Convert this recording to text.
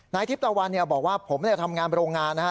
นายทิพตะวันเนี่ยบอกว่าผมเนี่ยทำงานไปโรงงานนะฮะ